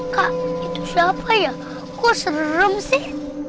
kak itu siapa ya kok serem sih